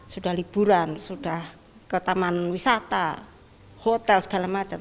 sudah liburan sudah ke taman wisata hotel segala macam